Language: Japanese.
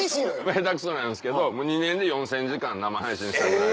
下手くそなんですけど２年で４０００時間生配信したぐらい。